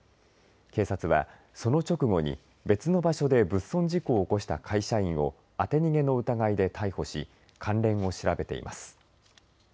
警察は、その直後に別の場所で物損事故を起こした会社員を当て逃げの疑いで逮捕し関連を調べています。